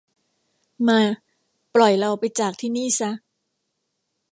มา ปล่อยเราไปจากที่นี่ซะ